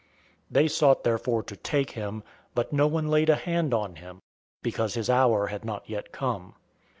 007:030 They sought therefore to take him; but no one laid a hand on him, because his hour had not yet come.